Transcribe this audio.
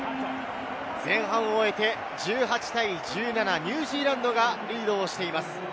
前半を終えて１８対１７、ニュージーランドがリードしています。